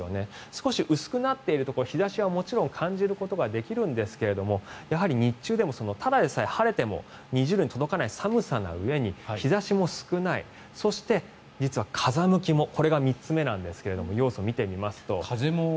少し薄くなっているところ日差しはもちろん感じることができるんですけれども日中でも、ただでさえ晴れても２０度に届かない寒さのうえに日差しも少ないそして、実は風向きもこれが３つ目なんですが要素を見てみますと。